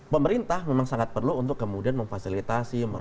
pemerintah memang sangat perlu untuk kemudian memfasilitasi